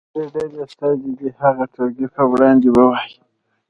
د هرې ډلې استازی دې هغه ټولګي په وړاندې ووایي.